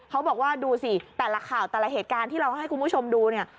เขาบอกว่าดูสิแต่ละข่าวแต่ละเหตุการณ์ที่เราให้คุณผู้ชมดูเนี่ย